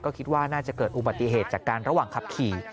คิดว่าน่าจะเกิดอุบัติเหตุจากการระหว่างขับขี่